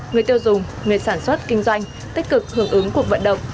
người tiêu dùng người sản xuất kinh doanh tích cực hưởng ứng cuộc vận động